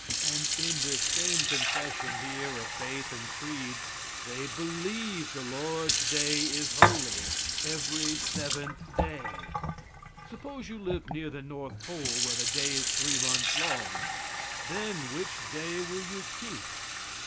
And in this same confession here of faith and creeds they believe the Lord's day is holy every seventh day. Suppose you lived near the north pole, where the day is three months long. Then which day will you keep?